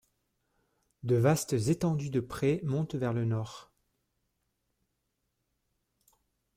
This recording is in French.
De vastes étendues de prés montent vers le nord.